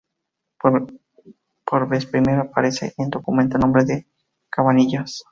Por vez primera aparece en un documento el nombre de Cabanillas.